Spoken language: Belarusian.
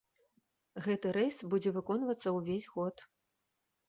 Гэты рэйс будзе выконвацца ўвесь год.